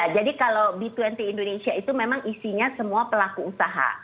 jadi kalau g dua puluh indonesia itu memang isinya semua pelaku usaha